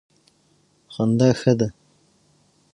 خندا ښه ده.